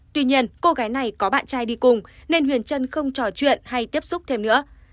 tuy nhiên cô gái này có bạn trai đi cùng nên huyền trân không trò chuyện hay tiếp xúc thêm nữa